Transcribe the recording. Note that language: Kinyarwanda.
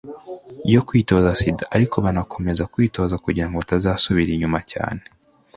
yo kwirinda sida ariko banakomeza kwitoza kugira ngo batazasubira inyuma cyane.